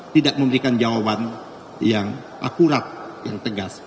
tidak memberikan jawaban yang akurat yang tegas